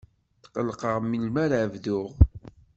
Tqellqeɣ melmi ara bduɣ.